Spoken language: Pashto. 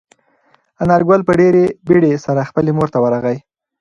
انارګل په ډېرې بیړې سره خپلې مور ته ورغی.